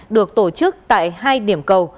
được tổ chức tại hai điểm cầu